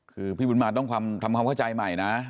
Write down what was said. คือพี่บุญมาต้องทำความเข้าใจใหม่นะ